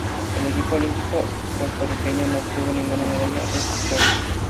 El equipo olímpico puertorriqueño no obtuvo ninguna medalla en estos Juegos.